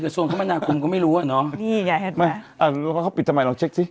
ส่วนมนาคมก็ไม่รู้ว่าน้องนี่อยากมาเอาปิดตามไปลองเช็คซิ